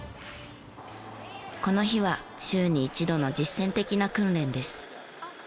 この日は週に一度の実践的な訓練です。